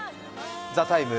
「ＴＨＥＴＩＭＥ，」